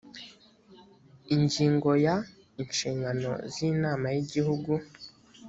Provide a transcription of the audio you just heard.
ingingo ya inshingano z inama y igihugu